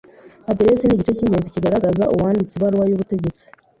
Aderesi ni igice k’ingenzi kigaragaza uwanditse ibaruwa y’ ubutegetsi.